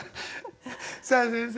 さあ先生